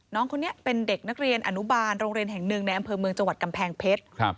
น้องคนนี้เป็นเด็กนักเรียนอนุบาลโรงเรียนแห่งหนึ่งในอำเภอเมืองจังหวัดกำแพงเพชร